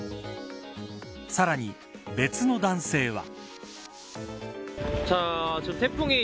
さらに、別の男性は。